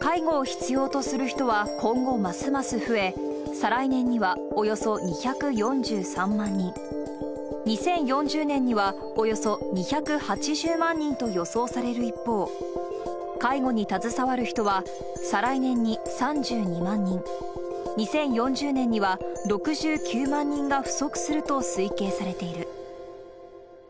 介護を必要とする人は今後ますます増え、再来年にはおよそ２４３万人、２０４０年には、およそ２８０万人と予想される一方、介護に携わる人は再来年に３２万人、２０４０年には６９万人が不足すると推計されている。